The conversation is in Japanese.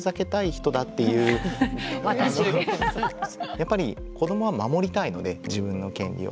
やっぱり子どもは守りたいので自分の権利を。